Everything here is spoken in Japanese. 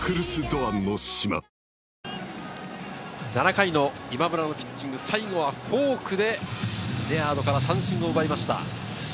７回の今村のピッチング、最後はフォークでレアードから三振を奪いました。